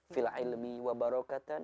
fil ilmi wa barokatan